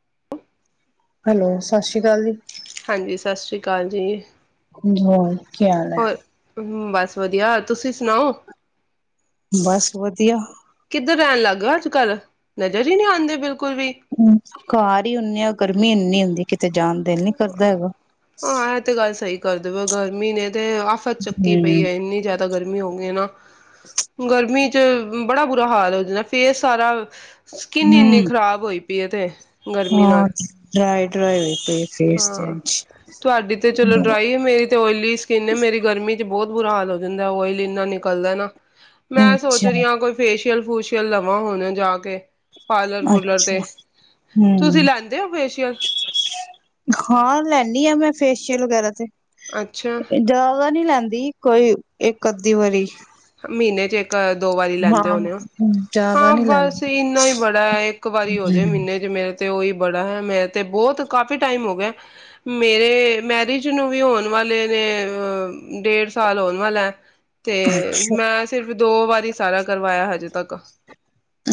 [inaudible] Hello ਸਤਿ ਸ੍ਰੀ ਅਕਾਲ ਜੀ, ਹਾਂ ਜੀ ਸਤਿ ਸ੍ਰੀ ਅਕਾਲ ਜੀ ਹੋਰ ਕੀ ਹਾਲ ਹੈ। ਹੋਰ ਬਸ ਵਧੀਆ ਤੁਸੀ ਸੁਣਾਓ। ਬਸ ਵਧੀਆ ਕਿਧਰ ਰਹਿਨ ਲੱਗ ਗਏ, ਅੱਜ ਕੱਲ ਨਜ਼ਰ ਈ ਨਹੀਂ ਆਂਦੇ ਪਏ। ਘਰ ਈ ਹੁਨੇ ਆਂ ਗਰਮੀ [unintelligible] ਜਾਨ ਦਿਲ ਨੀ ਕਰਦਾ ਹੈਗਾ ਹਾਂ ਇਹ ਤੇ ਗੱਲ ਸਹੀ ਕਰ ਦੇਵੇ ਗਰਮੀ ਨੇ। ਤੇ ਆਫ਼ਤ ਚਕੀ ਪਈ ਹੂੰ ਏ ਇੰਨੀਂ ਜਾਦਾ ਗਰਮੀ ਹੋ ਗਈ ਐ ਨਾਂ ਗਰਮੀ ਤੇ ਬੜਾ ਬੂਰਾ ਹਾਲ ਹੈ, ਫ਼ੇਸ ਸਾਰਾ ਸਕਿਨ ਈ ਇੰਨੀ ਹੂੰ ਖ਼ਰਾਬ ਹੋਈ ਪਈ ਐ ਤੇ ਗਰਮੀ ਨਾਲ। ਹਾਂ ਡਰਾਈ ਡਰਾਈ ਹੋਈ ਪਈ ਫੇਸ ਤੇ ਹਾਂ ਇੰਝ ਤੁਹਾਡੀ ਤੇ ਚਲੋ ਡਰਾਈ ਮੇਰੀ ਤੇ ਓਇਲੀ ਸਕਿਨ ਐ ਮੇਰੀ ਗਰਮੀ ਬਹੁਤ ਬੁਰਾ ਹਾਲ ਹੋ ਜਾਂਦਾ ਹੈ, ਆਇਲ ਇੰਨਾਂ ਨਿਕਲਦਾ ਨਾ। ਮੈ ਸੋਚ ਅੱਛਾ ਰਹੀ ਹਾਂ ਕੋਈ ਫੇਸਿ ਫੇਸ਼ਇਲ ਫੂਸ਼ਇਲ ਲਵਾ ਹੁਨ ਜਾ ਕੇ ਪਾਰਲਰ ਪੁਰਲਰ ਤੇ ਅੱਛਾ ਤੁਸੀ ਹੂੰ ਲੈਂਦੇ ਹੋ ਫੇਸ਼ਇਲ ਹਾਂ ਲੈਨੀ ਹਾਂ ਮੈ ਫੇਸ਼ਇਲ ਵਗੇਰਾ ਤੇ। ਅੱਛਾ ਜਿਆਦਾ ਨਹੀਂ ਲੈਂਦੀ ਦੀ ਕੋਈ ਇਕ ਅੱਧੀ ਵਾਰੀ ਮਹੀਨੇਂ ਚ ਇ ਇਕ ਦੋ ਵਾਰੀ ਲੈਂਦੇ ਹਾਂ ਹੋਨੇ ਹੋ ਜ਼ਿਆਦਾ ਹਾ ਨੀ ਲੈਂਦੀ ਬਸ ਏਨਾ ਹੀ ਬੜਾ ਹੈ ਇਕ ਵਾਰੀ ਹੋ ਜਾਏ ਮਹੀਨੇਂ ਚ ਮੇਰੇ ਤੇ ਓਹੀ ਬੜਾ ਮੈਂ ਤੇ ਬਹੁਤ ਕਾਫੀ ਟਾਈਮ ਹੋ ਗਿਆ ਮੇਰੇ ਮੈਰਿਜ ਨੂੰ ਵੀ ਹੋਣ ਵਾਲੇ ਨੇ ਡੇਢ ਸਾਲ ਹੋਣ ਵਾਲਾ ਹੈ। ਤੇ ਅੱਛਾ ਮੈਂ ਸਿਰਫ ਦੋ ਵਾਰੀ ਸਾਰਾ ਕਰਵਾਇਆ ਹਜੇ ਤੱਕ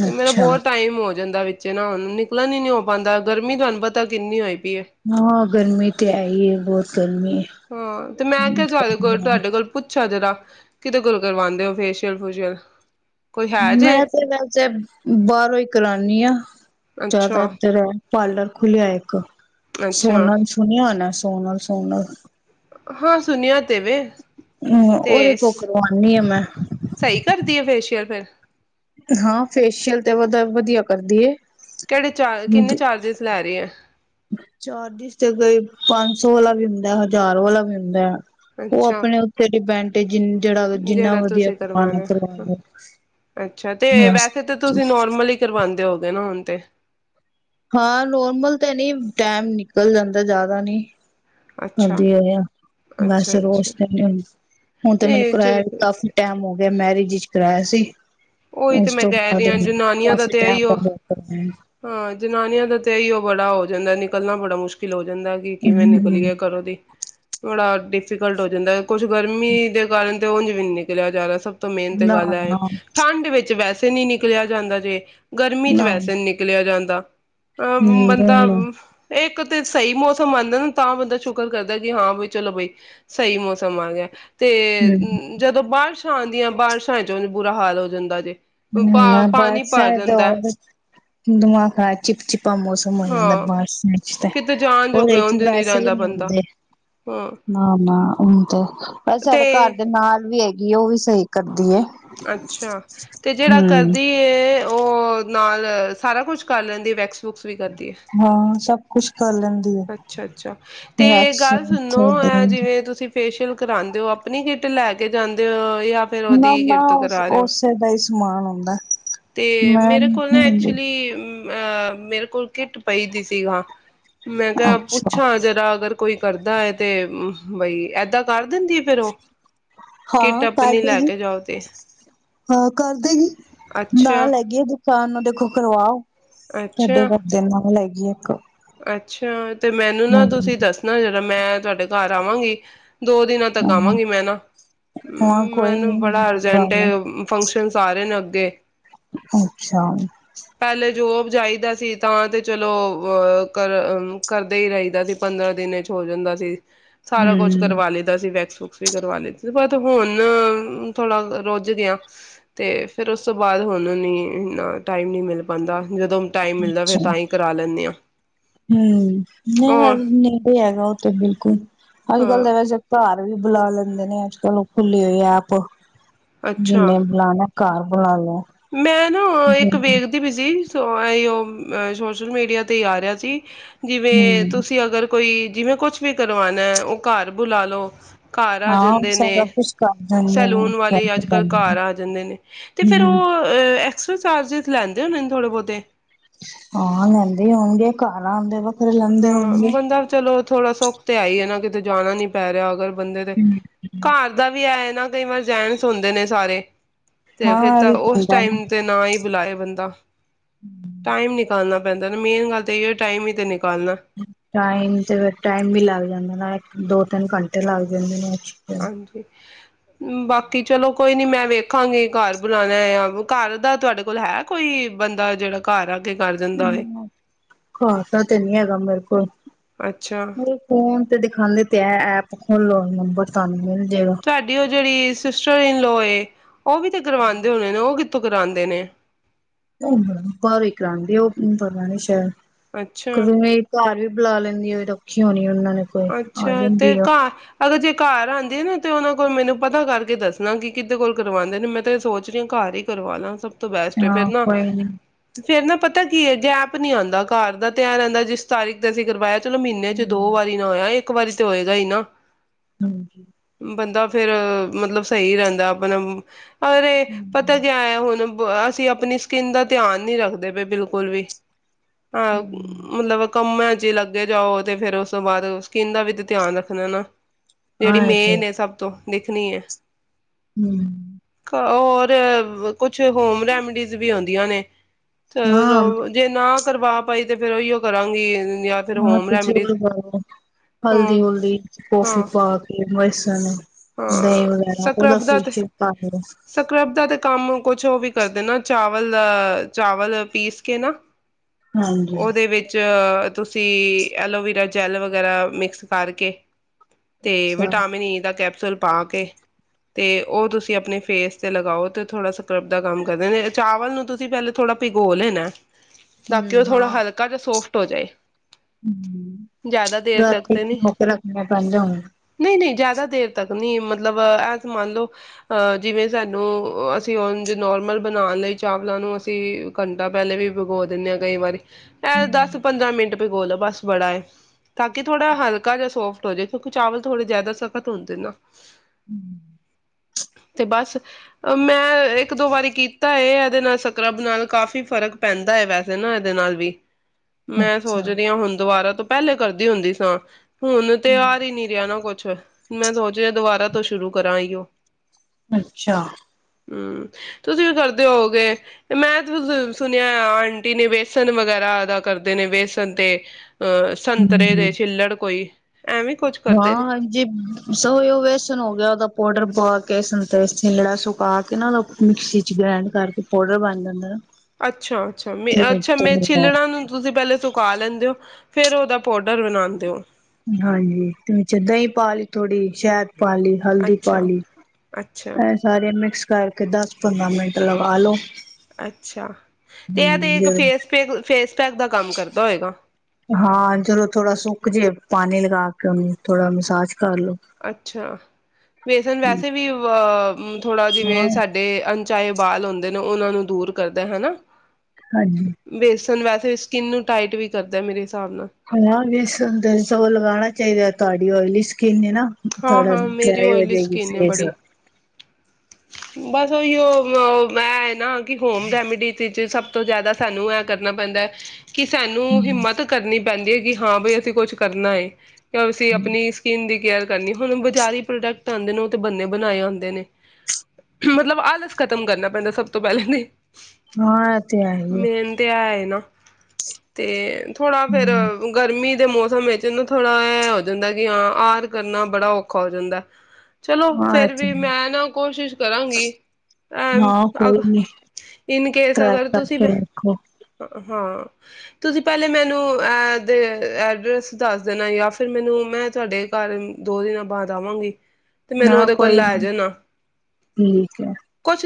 ਤੇ ਮੇਰਾ ਅੱਛਾ ਬਹੁਤ ਟਾਈਮ ਹੋ ਜਾਂਦਾ ਵਿਚ ਚਲੋ ਨਿਕਲਣ ਹੀ ਨਹੀਂ ਹੋ ਪੈਂਦਾ ਗਰਮੀ ਤੁਹਾਨੂੰ ਪਤਾ ਕਿੰਨੀ ਹੋਈ। ਪਈ ਹੈ ਹਾਂ ਗਰਮੀ ਤੇ ਹੈ ਹੀ ਹ ਬਹੁਤ ਗਰਮੀ ਹ ਹਾਂ, ਤੇ ਮੈਂ ਕਿਹਾ ਤੁਹਾਡੇ ਕੋਲ, ਤੁਹਾਡੇ ਕੋਲ ਪੁੱਛਾ ਜਰਾ ਕਿਹਦੇ ਕੋਲੋਂ ਕਰਵਾਉਂਦੇ ਹੋ ਫੇਸ਼ੀਅਲ ਫੋਸ਼ੀਅਲ ਮੈਂ ਤੇ ਵੈਸੇ ਬਾਹਰੋਂ ਹੀ ਕਰਾਂਣੀ ਆਂ, ਅੱਛਾ ਜਿਆਦਾਤਰ ਪਾਰਲਰ ਖੁੱਲਿਆ ਇੱਕ [unintelligible] ਧੋਣ ਅੱਛਾ ਨਾਲ ਸੋਧ ਨਾਲ। ਹਾਂ ਸੁਣਿਆ ਤੇ ਵੇ [unintelligible] ਓਦੇ ਤੇ ਕੋ ਸਹੀ ਕਰਵਾਣੀ ਆਂ ਮੈਂ। ਕਰਦੀ ਹੈ ਫੇਸ਼ੀਅਲ ਫਿਰ ਹਾਂ ਫੇਸ਼ੀਅਲ ਤੇ ਵਧ ਵਧੀਆ ਕਰਦੀ ਏ ਕਿਹੜੇ ਚਾਰ, ਕਿੰਨੇ ਚਾਰਜਸ ਲੈ ਰਹੀ ਹੈ। ਚਾਰਚੀਜ਼ ਤੇ ਕਈ ਪੰਜ ਸੋ ਵਾਲਾ ਵੀ ਹੁੰਦਾ, ਹਜ਼ਾਰ ਵਾਲਾ ਵੀ ਹੁੰਦਾ ਉਹ ਅੱਛਾ ਆਪਣੇ ਉੱਤੇ ਡਿਪੈਂਡ ਏ ਜਿਨ ਜਿੰਨਾ ਜਿਹੜਾ ਵਧੀਆ ਤੁਸੀਂ ਕਰਵਾਣਾ, ਕਰਵਾ ਲੋ ਅੱਛਾ ਤੇ ਵੈਸੇ ਤੇ ਤੁਸੀਂ ਨੋਰਮਲ ਹੀ ਕਰਵਾਉਂਦੇ ਹੁੰਦੇ ਹੁਣ ਤੇ ਹਾਂ। ਨੋਰਮਲ ਤੇ ਨਹੀਂ, ਟੈਮ ਨਿਕਲ ਜਾਂਦਾ ਜ਼ਿਆਦਾ ਨਹੀਂ [inaudible] ਅੱਛਾ ਅੱਛਾ ਅੱਛਾ ਹੁਣ ਤੇ ਮੈਨੂੰ ਨਹੀਂ ਕਰਾਇਆ ਵੀ ਚਲੋ ਕਾਫੀ ਟਾਈਮ ਹੋ ਗਿਆ ਮੈਰਿਜ ਇਚ ਕਰਾਇਆ ਸੀ। ਉਹੀ ਤੇ ਉਸ ਮੈਂ ਤੋਂ ਕਹਿ ਬਾਅਦ ਰਹੀ ਆਂ ਜਨਾਨੀਆਂ ਦਾ ਕਾਫੀ ਤਾਂ ਇਈ ਟੈਮ ਔ, ਹੋ ਗਿਆ ਕਰਾਇਆ ਹਾਂ। ਜਨਾਨੀਆਂ ਦਾ ਤੇ ਇਹੀ ਓ ਬੜਾ ਹੋ ਜਾਂਦਾ ਨਿਕਲਣਾ ਬੜਾ ਮੁਸ਼ਕਿਲ ਓ ਕਹਿੰਦਾ ਕਿ ਕਿਵੇਂ ਹੂੰ। ਨਿਕਲੀਏ ਘਰੋਂ ਦੀ [unintelligible] ਡਿਫੀਕਲਟ ਹੋ ਜਾਂਦਾ ਕੁਝ ਗਰਮੀ ਤੇ ਕਾਰਨ ਉਂਜ ਵੀ ਨਹੀਂ ਨਿਕਲਿਆ ਜਾ ਰਿਹਾ ਸਬ ਨਾ ਨਾ ਵਿੱਚ ਵੈਸੇ ਨਹੀਂ ਨਿਕਲਿਆ ਜਾਂਦਾ ਜੇ ਗਰਮੀ ਚ ਨਾ ਵੈਸੇ ਨੀ ਨਿਕਲਿਆ ਜਾਂਦਾ ਅ ਹੂੰ ਬੰਦਾ ਹੂੰ ਇਕ ਤੇ ਸਹੀ ਮੌਸਮ ਤਾਂ ਬੰਦਾ ਸ਼ੁਕਰ ਕਰਦਾ ਕਿ ਹਾਂ ਬਈ ਚਲੋ ਬਈ ਸਹੀ ਮੌਸਮ ਆ ਗਿਆ ਤੇ [unintelligible] ਜਦੋਂ ਬਾਰਸ਼ਾਂ ਆਂਦੀਆਂ ਬਾਰਸ਼ਾਂ ਚ ਬੁਰਾ ਹਾਲ ਹੁੰਦਾ ਜੇ ਪਾ ਨਾਲ ਪਾਣੀ ਬਾਰਿਸ਼ਾਂ ਭਰ ਚ ਜਾਂਦਾ ਹੋਰ ਦੁਆਂ ਕਾ ਏ ਚਿਪਚਿਪ ਚਿਪ ਚਿਪਾ ਮੌਸਮ ਹੋਇਆ ਦਾ ਹਾਂ ਬਾਰਿਸ਼ਾਂ ਵਿਚ ਤੇ ਕਿਤੇ ਜਾਣ ਜੋਗੇ ਉਹਦੇ ਚ ਉਝ ਨੀ ਵੈਸੇ ਈ ਰਹਿੰਦਾ ਨਹੀਂ ਬੰਦਾ ਹੁੰਦੇ, ਹਾਂ ਨਾਂ ਨਾਂ ਉਹੀ ਤੇ, ਪਰ ਸਾਡੇ ਘਰ ਤੇ ਦੇ ਨਾਲ ਵੀ ਕੀ ਉਹ ਵੀ ਸਹੀ ਕਰਦੀ ਏ ਅੱਛਾ ਤੇ ਤੇ ਜਿਹੜਾ ਹੂੰ ਕਰਦੀ ਹੈ ਓਹ ਨਾਲ ਸਾਰਾ ਕੁਛ ਕਰਨਾ ਹੈ ਇਹਦੀ ਵੈਕਸ ਵੁਕਸ ਹਾਂ ਸਭ ਕੁਛ ਕਰ ਲੈਂਦੀ ਏ। ਅੱਛਾ-ਅੱਛਾ ਤੇ ਗੱਲ ਵੈਕਸੀਨ ਸੁਨੋ ਤੇ ਇਹ ਦੇਣਗੇ ਜਿਵੇਂ ਤੁਸੀ ਫੇਸ਼ੀਅਲ ਕਰਾਉਂਦੇ ਹੋ ਅਪਨੀ ਕਿਟ ਲਏ ਕੇ ਜਾਂਦੇ ਹੋ ਜਾਂ ਫਿਰ ਨਾ ਉਹਦੀ ਨਾ ਕਿੱਟ ਤੋਂ ਕਰਾ ਰਹੇ ਹੋ ਓਸੇ ਦਾ ਹੀ ਸਮਾਨ ਹੁੰਦਾ ਹੈ ਤੇ ਮੈਂ ਨਹੀਂ [inaudible] ਆਹ ਮੇਰੇ ਕੋਲ ਕਿਟ ਪਈ ਦੀ ਸੀ ਗਹਾਂ। ਮੈਂ ਕਿਹਾ ਅੱਛਾ ਪੁੱਛਾਂ ਜਰਾ ਅਗਰ ਕੋਈ ਕਰਦਾ ਹੈ ਤੇ ਉਮ ਬਈ ਏਦਾਂ ਕਰ ਦਿੰਦੀ ਹੈ ਫਿਰ ਉਹ ਕਿੱਟ ਹਾਂ ਕਰ ਆਪਣੀ ਲੈ ਦੇਗੀ ਕੇ ਜਾਓ ਤੇ ਹਾਂ ਕਰ ਦੇਗੀ ਅੱਛਾ ਨਾਲ ਹੈਗੀ ਐ ਦੁਕਾਨ ਓਹਦੇ ਕੋਲ ਕਰਵਾਓ। ਸਾਡੇ [unintelligible] ਜੇ ਕ ਅੱਛਾਂ ਤੇ ਮੈਨੂੰ ਨਾਂ ਤੁਸੀ ਦਸਨਾ ਜਰ ਜਦ ਮੈਂ ਤੁਹਾਡੇ ਘਰ ਆਵਾਂਗੀ। ਦੋ ਦਿਨਾਂ ਤਕ ਹਾਂ ਆਵਾਂਗੀ ਮੈਂ ਨਾ ਹਾਂ ਕੋਈ ਮੈਨੂੰ ਨੀ ਬੜਾ ਜ਼ਰੂਰ ਅਰਜੇਂਟ ਆਉਣਾ ਹੈ ਫੰਕਸ਼ਨਸ ਆ ਰਹੇ ਨੇਂ ਓ ਤੇ ਅੱਛਾ ਜੋਬ ਜਾਈਦਾ ਸੀ ਤਾਂ ਤੇ ਚਲੋ ਉਹ ਕਰ ਅ ਕਰਦੇ ਈ ਰਹੀਦਾ ਸੀ ਪੰਦ੍ਰਹ ਦਿਨਾਂ ਇਚ ਹੋ ਜਾਂਦਾ ਸੀ। ਸਾਰਾ ਕੁਛ ਕਰਵਾ ਲਈਦਾ ਸੀ ਵੈਕਸ ਵੁਕ੍ਸ ਵੀ ਕਰਵਾ ਦਾ ਸੀ ਤੇ ਹੁੰਨ ਥੋੜਾ ਰੁਝ ਦੀਆ ਤੇ ਫਿਰ ਉਸਤੋਂ ਬਾਅਦ ਹੂੰਨ ਨੀ ਇਹਨਾਂ ਟਾਈਮ ਨੀ ਮਿਲ ਪਾਂਦਾ। ਜਦੋਂ ਟਾਈਮ ਮਿਲਦਾ ਫਿਰ ਅੱਛਾ ਤਾਂਹੀ ਕਰਾ ਲੈਨੇ ਹਾਂ। ਹਮ ਨਹੀਂ ਹੋਰ ਹਜੇ ਨਹੀਂ ਕੋਈ ਹੈਗਾ ਓਹ ਤੇ ਬਿਲਕੁਲ [inaudible] ਹੱਲ ਗੱਲ ਹਾਂ ਦਾ ਵੈਸੇ ਤਾ [unintelligible] ਬੁਲਾ ਲੈਂਦੇ ਨੇਂ ਅੱਜਕਲ ਓਪਨਲੀਯੋ ਹੀ ਆਪ ਅੱਛਾ ਜਿੰਨੇ ਬੁਲਾਉਨਾ ਹੈ ਘਰ ਬੁਲਾ ਲਓ। ਮੈਂ ਨਾ ਇੱਕ ਵੇਖ ਦੀ ਪਈ ਸੀ ਈ ਸੋ ਆਈ ਓਹ ਆ ਸੋਸ਼ਲ ਮੀਡੀਆ ਤੇ ਹੀ ਆ ਰਿਹਾ ਸੀ। ਜਿਵੇਂ ਹੂੰ ਤੁਸੀ ਅਗਰ ਕੋਈ ਜਿਵੇਂ ਕੋਈ ਕੁਛ ਵੀ ਕਰਵਾਉਨਾ ਹੈ ਘਰ ਬੁਲਾ ਲਓ। ਘਰ ਆ ਹਾਂ ਜਾਂਦੇ ਸਾਰਾ ਨੇਂ ਕੁਛ ਕਰ ਦਿੰਦੇ ਨੇ ਸੈਲੂਨ ਵਾਲੇ ਹੀ ਕਰਕੇ ਅੱਜਕਲ ਜਾਂਦੇ ਘਰ ਨੇ। ਆ ਜਾਂਦੇ ਨੇਂ ਤੇ ਫਿਰ [unintelligible] ਸਰ ਚਾਰਜਰਸ ਲੈਂਦੇ ਹੁਣੇ ਥੋੜੇ ਬਹੁਤੇ। ਆ ਲੈਂਦੇ ਹੋਣਗੇ, ਘਰ ਆਉਂਦੇ ਵਕਤ। ਹਾਂ ਬੰਦਾ ਚਲੋ। ਥੋੜਾ ਸੁੱਖ ਤੇ ਹੈ ਨਾ, ਕਿਤੇ ਜਾਣਾ ਨਹੀਂ ਪੈ ਰਿਹਾ ਅਗਰ ਬੰਦੇ ਦੇ ਘਰ ਦਾ ਵੀ ਐ ਤਕਰੀਬਨ ਜੈਂਟਸ ਹੁੰਦੇ ਨੇ ਸਾਰੇ। ਵੈਸੇ ਤੇ ਹਾਂ ਫਿਰ ਇਹ ਤਾਂ ਵੀ ਉਸ ਹੁੰਦਾ ਟਾਈਮ ਤੇ ਨਾ ਹੀ ਬੁਲਾਏ ਬੰਦਾ, ਟਾਈਮ ਨਿਕਾਲਣਾ ਮੇਨ ਗੱਲ ਤਾਂ ਇਹ ਟਾਈਮ ਤੇ ਨਹੀਂ ਟਾਈਮ ਤੇ ਫਿਰ ਟਾਈਮ ਵੀ ਲੱਗ ਜਾਂਦਾ ਨਾ ਦੋ ਤਿੰਨ ਘੰਟੇ ਲੱਗ ਜਾਂਦੇ ਨੇ। ਹਾਂਜੀ ਬਾਕੀ ਚਲੋ ਕੋਈ ਨੀ ਮੈਂ ਵੇਖਾਂਗੀ, ਘਰ ਬੁਲਾਉਣਾ ਆ, ਘਰ ਦਾ ਤੁਹਾਡੇ ਕੋਲ ਹੈ, ਕੋਈ ਬੰਦਾ ਜਿਹੜਾ ਘਰ ਆ ਕੇ ਕਰ ਦਿੰਦਾ ਹੋਏ ਖਾਸ ਤੇ ਨੀ ਹੈਗਾ ਮੇਰੇ ਕੋਲ, ਅੱਛਾ ਫੋਨ ਤੇ ਦਿਖਾਦੇ ਤੇ ਹੈ, ਐਪ ਖੋਲ ਇਹ ਨੰਬਰ ਤੱਲਵੇ ਤੁਹਾਡੀ ਉਹ ਜਿਹੜੀ ਸਿਸਟਰ ਹੋਏ। ਉਹ ਵੀ ਤੇ ਕਰਵਾਉਂਦੇ ਹੋਣੇ ਨੇ, ਉਹ ਕਿੱਥੋਂ ਕਰਾਂਉਦੇ ਨੇ। ਬਾਹਰੋ ਹੀ ਕਰਾਉਦੇ ਨੇ, ਉਹ ਪਤਾ ਨਹੀਂ ਸ਼ਾਇਦ ਅੱਛਾ ਕਦੋ ਇਹ ਘਰ ਬੁਲਾ ਲੈਂਦੀ ਹੋਈ ਔਖੀ ਹੋਣੀ ਉਹਨਾਂ ਨੇ ਕੋਈ ਆ ਅੱਛਾ ਤੇ ਜਾਂਦੀ ਆ ਘਰ ਅਗਰ ਜੇ ਘਰ ਨਾ ਤੇ ਉਹਨਾਂ ਕੋਲ ਮੈਨੂੰ ਪਤਾ ਕਰਕੇ ਦੱਸਣਾ ਕਿ ਕਿੱਦੇ ਕੋਲ ਕਰਵਾਉਂਦੇ ਨੇ, ਮੈਂ ਤਾਂ ਇਹ ਸੋਚ ਰਹੀ ਹਾਂ, ਘਰ ਹੀ ਕਰਵਾ ਲਾ ਸਭ ਤੋਂ ਬੈਸਟ ਹੈ ਫਿਰ ਹਾਂ ਨਾ ਕੋਈ ਨੀ ਫੇਰ ਨਾ ਪਤਾ ਕੀ ਹੈ, ਗੈਪ ਨੀ ਆਉਂਦਾ ਘਰ ਦਾ ਤੇ ਐ ਰਹਿੰਦਾ ਜਿਸ ਤਾਰੀਕ ਤੇ ਅਸੀਂ ਕਰਵਾਇਆ ਚਲੋ ਮਹੀਨੇ ਚ ਦੋ ਵਾਰ ਨਾ ਹੋਇਆ, ਇੱਕ ਵਾਰੀ ਤੇ ਹੋਏਗਾ ਹੀ ਨਾ ਹਾਂਜੀ ਬੰਦਾ [unintelligible] ਫੇਰ ਮਤਲਬ ਸਹੀ ਰਹਿੰਦਾ ਆਪਣਾ ਅਰੇ ਪਤਾ ਆਇਆ ਜੇ ਹੁਣ ਅਸੀਂ ਆਪਣੀ ਸਕਿੰਨ ਦਾ ਧਿਆਨ ਨਹੀਂ ਰੱਖਦੇ ਪਏ ਬਿਲਕੁਲ ਵੀ ਹਾਂ ਹੂੰ ਮਤਲਬ ਕੰਮ ਹੈ, ਜੇ ਲੱਗ ਦੇ ਜਾਉ ਤੇ ਫੇਰ ਉਸ ਉਸ ਤੋਂ ਬਾਅਦ ਸਕਿੰਨ ਦਾ ਵੀ ਤੇ ਧਿਆਨ ਰੱਖਣਾ ਐ ਨਾ। ਜਿਹੜੀ ਹਾਂ ਤੇ ਮੇਨ ਏ ਸਭ ਤੋਂ। ਦੇਖਨੀ ਐ। ਹੂੰ। ਹੋਰ ਵ ਕੁਛ ਹੋਮ ਰੈਮਡੀਜ਼ ਵੀ ਹੁੰ ਦੀਆਂ ਨੇ। ਹਾਂ ਚਲੋ ਜੇ ਨਾ ਕਰਵਾ ਪਾਈ ਤੇ ਫੇਰ ਉਹੀਓ ਕਰਾਂਗੀ। ਜਾਂ ਫਿਰ ਹਾਂ ਹੋਮ ਤੇ ਰੈਮਡੀਜ਼ ਚਲੋ ਬਾਦ ਹਾਂ ਹਲਦੀ-ਹੁਲਦੀ ਕੌਫੀ ਹਾਂ ਪਾ ਕੇ ਹੋਈ। [unintelligible] ਦਈ ਹਾਂ ਵਗੈਰਾ ਉਹਦਾ ਸਕਰਬ ਦਾ ਤੇ [unintelligible] ਪਾ ਕੇ ਸਕਰਬ ਦਾ ਤੇ ਕੰਮ ਕੁਛ ਉਹ ਵੀ ਕਰਦੇ ਨਾ ਚਾਵਲ, ਚਾਵਲ ਪੀਸ ਕੇ ਨਾ ਹਾਂਜੀ ਉਹਦੇ ਵਿੱਚ ਤੇ ਤੁਸੀਂ ਐਲੋਵਰਾ ਜੈਲ ਵਗੈਰਾ ਮਿਕਸ ਕਰਕੇ ਤੇ ਅੱਛਾ ਵਿਟਾਮਿਨ ਈ ਦਾ ਕੈਪ ਸੂਲ ਪਾ ਕੇ ਤੇ ਉਹ ਤੁਸੀਂ ਆਪਣੇ ਫੇਸ ਤੇ ਲਗਾਓ ਤੇ ਥੋੜਾ ਸਕ ਸਕ੍ਰਬ ਦਾ ਕੰਮ ਕਰਦੇ ਨੇ, ਚਾਵਲ ਨੂੰ ਤੁਸੀਂ ਪਹਿਲੇ ਥੋੜਾ ਪਿਗੋ ਲੈਣਾ ਏ। ਬਾਕੀ ਉਹ ਹਮ ਥੋੜ੍ਹਾ ਹਾਂ ਹਲਕਾ ਜਾਂ ਸੋਫਟ ਹੋ ਜਾਏ, ਹੂੰ ਜ਼ਿਆਦਾ ਦੇਰ ਤੱਕ ਰਾਤੀ ਤੇ ਨਹੀਂ, ਭਿਓ ਕੇ ਰੱਖਣਾ ਪੈਂਦਾ ਹੁਣ ਨਹੀਂ, ਨਹੀਂ। ਜ਼ਿਆਦਾ ਦੇਰ ਤੱਕ ਨਹੀਂ ਮਤਲਬ ਐ ਮੰਨ ਲਓ ਜਿਵੇਂ ਸਾਨੂੰ ਅਸੀਂ ਉਂਜ ਨੋਰਮਲ ਬਣਾਉਣ ਲਈ ਚਾਵਲਾਂ ਨੂੰ ਅਸੀਂ ਘੰਟਾ ਪਹਿਲੇ ਵੀ ਭਿਗੋ ਦਿੰਦੇ ਹਾਂ ਕਈ ਵਾਰੀ ਇਹ ਦਸ-ਪੰਦਰਾਂ ਮਿੰਟ ਭਿਗੋਲੋ ਬਸ ਬੜਾ ਹੈ, ਤਾਂ ਕਿ ਥੋੜ੍ਹਾ ਹਲਕਾ ਜ ਸੋਫਟ ਹੋ ਜੇ ਕਿਉਂਕਿ ਚਾਵਲ ਥੋੜੇ ਜ਼ਿਆਦਾ ਸੱਖਤ ਹੁੰਦੇ ਨਾ [inaudible] ਹੂੰ। ਤੇ ਬਸ ਮੈਂ ਇੱਕ-ਦੋ ਵਾਰੀ ਕੀਤਾ ਐ, ਇਹਦੇ ਨਾਲ ਸਕ੍ਰਬ ਨਾਲ ਕਾਫ਼ੀ ਫ਼ਰਕ ਪੈਂਦਾ ਹੈ ਵੈਸੇ ਨਾ ਇਹਦੇ ਨਾਲ ਵੀ। ਮੈਂ ਅੱਛਾ ਸੋਚਦੀ ਹਾਂ ਹੁਣ ਦੁਬਾਰਾ ਤੋਂ ਪਹਿਲੇ ਕਰਦੀ ਹੁੰਦੀ ਸਾਂ ਹੁਣ ਤਿਉਹਾਰ ਹੀ ਨੀ ਰਿਹਾ ਨਾ ਕੁਛ। ਮੈਂ ਸੋਚ ਫੇਰ ਦੁਬਾਰਾ ਤੋਂ ਸ਼ੁਰੂ ਕਰਾਂ ਅਇਯੋ। ਅੱਛਾ। ਹੂੰ, ਤੁਸੀਂ ਵੀ ਕਰਦੇ ਹੋਵੋਗੇ, ਮੈਂ ਸੁਣਿਆ ਆਂਟੀ ਨੇ ਬੇਸਨ ਵਗੈਰਾ ਦਾ ਕਰਦੇ ਨੇ ਬੇਸਨ ਤੇ ਹਾਂ, ਸੰਤਰੇ ਦੇ ਹਮ ਛਿੱਲੜ ਕੋਈ ਐਵੇਂ ਕੁਛ ਕਰਦੇ ਹਾਂ ਨੇ ਹਾਂਜੀੇ ਸੋ ਵੈਸ ਹੋ ਗਿਆ, ਉਹਦਾ ਪੋਡਰ ਪਾ ਕੇ [unintelligible] ਸੁਕਾ ਕੇ ਨਾ ਉਹਦਾ ਮਿਕਸੀ ਗ੍ਰੈਂਡ ਕਰਕੇ ਪੋਡਰ ਬਣ ਜਾਂਦਾ ਐ। ਅੱਛਾ ਅੱਛਾ ਮੇ ਅੱਛਾ ਮੈਂ ਛਿਲੜਾਂ ਨੂੰ ਤੁਸੀਂ ਪਹਿਲੇ ਸੁਕਾ ਲੈਂਦੇ ਹੋ ਫੇਰ ਉਹਦਾ ਪਾਊਡਰ ਬਣਾਉਂਦੇ ਹੋ। ਹਾਂਜੀ ਤੇ ਵਿੱਚ ਦਹੀਂ ਪਾ ਲਈ ਥੋੜ੍ਹੀ ਸ਼ਹਿਦ ਪਾਲੀ ਹਲਦੀ ਅੱਛਾ ਪਾਲੀ ਅੱਛਾ ਇਹ ਸਾਰੇ ਮਿਕਸ ਕਰਕੇ ਦੱਸ ਪੰਦਰਾਂ ਮਿੰਟ ਲਗਾ ਲਓ। ਅੱਛਾ ਤੇ ਆਹ ਦੇਖ ਫੇਸ ਫੇਸ ਫੇਸ ਪੈਕ ਦਾ ਕੰਮ ਕਰਦਾ ਹੋਏਗਾ ਹਾਂ ਜਦੋਂ ਥੋੜਾ ਸੁਕਜੇ ਪ ਕਮੀ ਥੋੜਾ ਮਸਾਜ ਕਰ ਲੋ ਅੱਛਾ [unintelligible] ਵੈਸੇ ਵੀ ਆ ਥੋੜਾ ਜਿਵੇਂ ਹਾਂ ਸਾਡੇ ਅਣਚਾਹੇ ਵਾਲ ਹੁੰਦੇ ਨੇ ਉਹਨਾਂ ਨੂੰ ਦੂਰ ਕਰਦਾ ਹਨਾ। ਹਾਂਜੀ, ਨ ਵੈਸੇ ਸਕਿਨ ਨੂੰ ਟਾਈਟ ਵੀ ਕਰਦਾ ਮੇਰੇ ਹਿਸਾਬ ਨਾਲ ਹਾਂ ਬੇਸਨ ਤਾਂ ਸਗੋਂ ਲਗਾਨਾਂ ਚਾਹੀਦਾ। ਤੁਹਾਡੀ ਔਇਲੀ ਸਕਿਨ ਏ ਨਾ। ਹਾਂ ਥੋੜਾ ਹਾਂ ਮੇਰੀ ਡਰਾਈ ਓਇਲੀ ਹੋਜੈਗੀ ਸਕਿੰਨ ਹੈ ਫੇਸ ਬੜੀ ਬਸ ਉਹੀ ਐ ਮੈਂ ਨਾ ਕਿ ਹੋਮ ਰੇਮੇਡੀ ਵਿੱਚ ਸਭ ਤੋਂ ਜਿਆਦਾ ਸਾਨੂੰ ਐ ਕਰਨਾ ਪੈਂਦਾ ਕਿ ਸਾਨੂੰ ਹਾਂ ਹਿੰਮਤ ਕਰਨੀ ਪੈਂਦੀ ਐ ਕੀ ਹਾਂ ਬਈ ਅਸੀਂ ਕੁਛ ਕਰਨਾ ਐ। ਅਸੀਂ ਆਪਣੀ ਸਕਿਨ ਦੀ ਕੇਅਰ ਕਰਨੀ ਹੁਣ ਬਜ਼ਾਰੀ ਪ੍ਰੋਡਕਟ ਆਉਂਦੇ ਨੇ ਉਹ ਤੇ ਬੰਨੇ ਬਣਾਏ ਆਉਂਦੇ ਨੇ ਮਤਲਬ ਆਲਸ ਖਤਮ ਕਰਨਾ ਪੈਂਦਾ ਸਭ ਤੋਂ ਪਹਿਲੇ ਤੇ, ਹਾਂ ਏ ਤੇ ਹੈ ਹੀ ਐ। ਮੇਨ ਤੇ ਐ ਏ ਨਾ। ਤੇ ਥੋੜਾ ਫਿਰ ਗਰਮੀ ਤੇ ਮੌਸਮ ਵਿਚ ਨੂੰ ਥੋੜਾ ਐ ਹੋ ਜਾਂਦਾ ਕਿ ਹਾਂ ਆਹ ਕਰਨਾ ਬੜਾ ਔਖਾ ਹੋ ਜਾਂਦਾ। ਚਲੋ ਹਾਂ ਇਹ ਫਿਰ ਤੇ ਵੀ ਹੈ ਮੈਂ ਨਾ ਚੀਜ ਕਰਾਂਗੀ ਐ ਹਾਂ ਕੋਈ ਅਬ ਨੀ ਇਨ ਕੇਸ ਟਰਾਈ ਅਗਰ ਤੁਸੀਂ ਕਰਕੇ ਵੇਖੋ ਹਾਂ ਤੁਸੀਂ ਪਹਿਲੇ ਮੈਨੂੰ ਅ ਐਡਰੈੱਸ ਦੇਣਾ ਜਾਂ ਫਿਰ ਮੈਨੂੰ ਮੈਂ ਤੁਹਾਡੇ ਬਾਰੇ ਦੋ ਦਿਨਾਂ ਬਾਅਦ ਆਵਾਂਗੀ। ਤੇ ਮੈਨੂੰ ਹਾਂ ਉਹਦੇ ਕੋਲ ਕੋਈ ਨੀ ਲੇਜੋ ਨਾ। ਠੀਕ ਐ।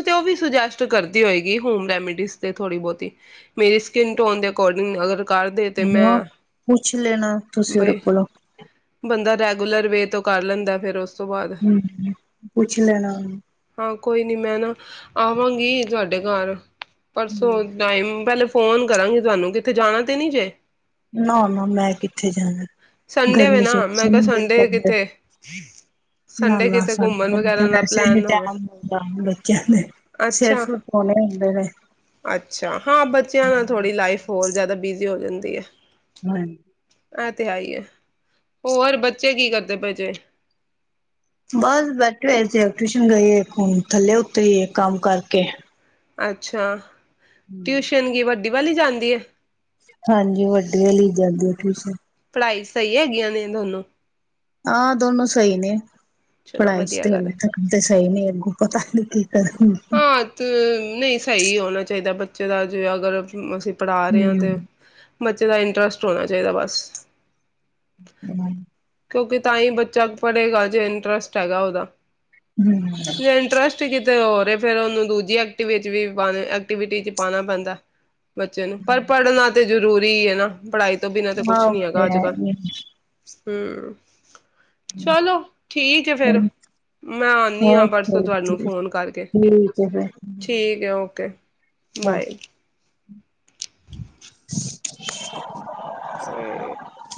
ਤੇ ਉਹ ਵੀ ਸੁੱਜੇਸਟ ਕਰਦੀ ਹੋਏਗੀ ਹੋਮ ਰੈਮੇਡੀਸ ਤੇ ਥੋੜੀ ਬਹੁਤੀ ਮੇਰੀ ਸਕਿਨ ਟੋਨ ਦੇ ਅਕੋਰਡਿੰਗ ਅਗਰ ਕਰਦੇ ਤੇ ਹਾਂ, ਮੈਂ ਪੁੱਛ ਲੈਣਾ ਤੁਸੀਂ ਔਦੇ ਬਈ ਕੋਲੋਂ। ਬੰਦਾ ਰੈਗੂਲਰ ਵੇ ਤੋਂ ਕਰ ਲੈਂਦਾ ਫਿਰ ਓਸ ਹਮ, ਪੁੱਛ ਲੈਣਾ ਓਨੂੰ। ਹਾਂ, ਕੋਈ ਨੀ ਮੈਂ ਨਾ ਆਵਾਂਗੀ ਤੁਹਾਡੇ ਘਰ। ਪਰਸੋ ਟਾਈਮ ਪੈਲੇ ਫ ਫੋਨ ਕਰਾਂਗੀ ਤੁਹਾਨੂੰ, ਕਿਥੇ ਜਾਣਾ ਤੇ ਨ੍ਹੀਂ ਜੇ। ਨਾ ਨਾ ਮੈਂ ਕਿੱਥੇ ਜਾਣੈ, ਸੰਡੇ ਵੇ ਗਰਮੀ ਚ ਨਾ ਮੈਂ ਵੈਸੇ ਕਿਹਾ ਨੀ ਦੇਲ ਸੰਡੇ ਕਰਦੈ ਕਿਤੇ ਨਾ ਸੰਡੇ ਨਾ ਕਿਤੇ ਘੁੰਮਣ ਸੰਡੇ ਨੂੰ ਤੇ ਵਗੈਰਾ ਦਾ ਵੈਸੇ ਨੀ ਪਲੈਨ ਹੋਵੈ। ਟੈਮ ਮਿਲਦਾ ਬੱਚਿਆਂ ਦੇ ਸਿਰ ਅੱਛਾ, ਸੁਰ ਧੋਣੇ ਹੁੰਦੇ ਨੇ। ਅੱਛਾ। ਹਾਂ, ਬੱਚਿਆਂ ਨਾਲ ਥੋੜੀ ਲਾਈਫ ਹੋਰ ਜਿਆਦਾ ਬਿਜ਼ੀ ਹੋ ਜਾਂਦ ਤੀਐ। ਹਾਂਜ ਐ ਤੇ ਹੈ ਈ ਐ, ਹੋਰ ਬੱਚੇ ਕੀ ਕਰਦੇ ਪਏ ਜੇ? ਬਸ ਬੈਠੇ ਹੋਏ ਸੀ, ਔ ਟਿਊਸ਼ਨ ਗਈ ਏ ਇਕ ਹੁਣ ਥੱਲੇ ਉਤਰੀ ਏ ਕੰਮ ਕਰਕੇ। ਅੱਛਾ। ਹੂੰ। ਟਿਊਸ਼ਨ ਗੀ ਵਡ ਡੀ ਵਲੀ ਜਾਂਦੀ ਏ। ਹਾਂਜੀ, ਵੱਡੀ ਵਲੀ ਜਾਂਦੀ ਐ ਟਿਊਸ਼ਨ। ਪੜ੍ਹਾਈ ਚ ਸਹੀ ਹੈਗੀਆਂ ਨੇ ਦੋਨੋਂ? ਆਹ ਦੋਨੋ ਸਹੀ ਨੇ। ਚਲੋ ਪੜਾਈ ਚ ਵਧੀਆ ਤੇ ਗੱਲ ਹਲੇ ਤੱਕਣ ਤੇ ਸਹੀ ਨੇ ਅੱਗੋਂ ਪਤਾ ਨੀ। ਕੀ ਕਰਨਗੇ। ਆ ਤ ਨਈ ਸ ਸਹੀ ਹੋਣਾ ਚਾਹੀਦੈ ਬੱਚੇ ਦਾ ਜੇ ਅਗਰ ਅ ਅਸੀਂ ਪੜਾ ਰੇ ਆ ਹੂੰ ਤੇ। ਬੱਚੇ ਦਾ ਇੰਟਰਸਟ ਹੋਣਾ ਚਾਹੀਦਾ ਬਸ। [unintelligible] ਕਿਉਂਕਿ ਤਾਂ ਈ ਬੱਚਾ ਪੜੇਗਾ ਜੇ ਇੰਟਰਸਟ ਹੈਗਾ ਓਹਦਾ। ਦੇ ਇੰਟਰਸਟ ਕਿਤ ਤੇ ਔਰ ਏ ਫੇਰ ਓਹਨੂੰ ਦੂਜੀ ਐਕਟੀਵ ਚ ਵੀ ਪਾ ਐਕਟੀਵਿਟੀ ਚ ਪਾਣਾ ਪੈਂਦਾ। ਬੱਚੇ ਨੂੰ ਪਰ ਪੜਨਾ ਤੇ ਜਰੂਰੀ ਏ ਨਾ ਪੜ੍ਹਾਈ ਜ ਹਾਂ, ਓਹ ਤੇ ਹੈ ਈ ਏ। ਹਮ। ਚਲੋ ਠੀਕ ਏ ਫੇਰ, ਮੈਂ ਆਂਣੀ ਆ ਪਰਸੋਂ ਤੁਹਾਨੂੰ ਫੋਨ ਕਰਕੇ। ਠੀਕ ਏ ਫਿਰ ਠੀਕ ਏ। Okay, okay. ਬਾਏ। [unintelligible] ਇਸਸੇ [unintelligible]